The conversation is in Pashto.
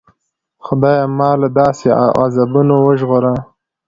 خدایه ما له داسې غضبونو وژغوره.